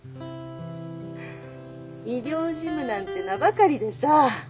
医療事務なんて名ばかりでさ